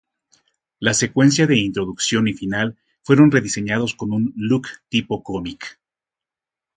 La secuencia de introducción y final fueron rediseñados con un look tipo cómic.